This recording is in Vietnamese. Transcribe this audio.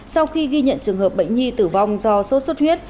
sau khi ghi nhận trường hợp bệnh nhi tử vong do sốt xuất huyết